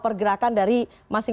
apakah seluruhan dari untuk itu